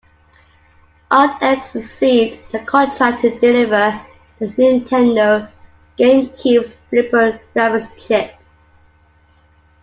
ArtX received the contract to deliver the Nintendo Gamecube's Flipper graphics chip.